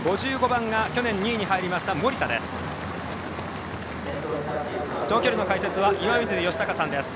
５５番が去年２位に入りました森田です。